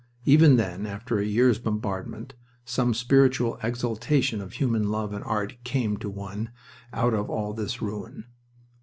Even then, after a year's bombardment, some spiritual exhalation of human love and art came to one out of all this ruin.